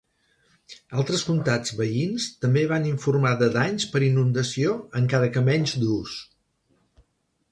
Altres comtats veïns també van informar de danys per inundació, encara que menys durs.